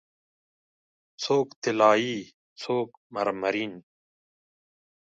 څوک طلایې، څوک مرمرین